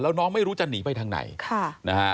แล้วน้องไม่รู้จะหนีไปทางไหนนะฮะ